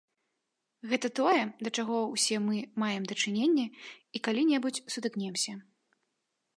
Гэта тое, да чаго ўсе мы маем дачыненне і калі-небудзь сутыкнемся.